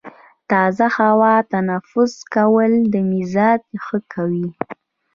تازه هوا تنفس کول د مزاج ښه کوي.